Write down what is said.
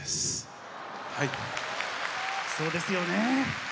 そうですよね。